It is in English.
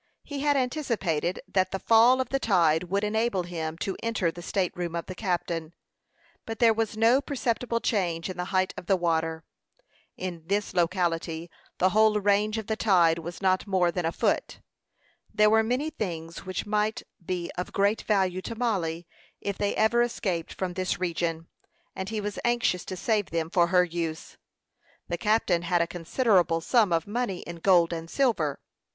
He had anticipated that the fall of the tide would enable him to enter the state room of the captain; but there was no perceptible change in the height of the water. In this locality the whole range of the tide was not more than a foot. There were many things which might be of great value to Mollie, if they ever escaped from this region, and he was anxious to save them for her use. The captain had a considerable sum of money in gold and silver.